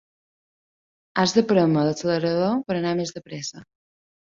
Has de prémer l'accelerador per anar més de pressa.